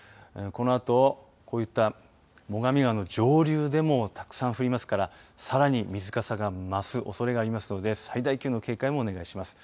このあと、こういった最上川の上流でもたくさん降りますからさらに水かさが増すおそれがありますので最大級の警戒をお願いします。